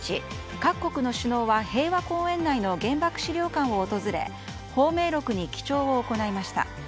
各国の首脳は平和公園内の原爆資料館を訪れ芳名録に記帳を行いました。